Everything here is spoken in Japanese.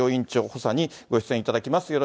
長補佐にご出演いただきます。